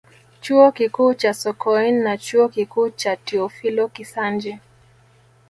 Chuo Kikuu cha Sokoine na Chuo Kikuu cha Teofilo Kisanji